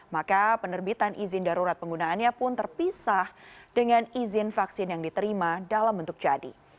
maka penerbitan izin darurat penggunaannya pun terpisah dengan izin vaksin yang diterima dalam bentuk jadi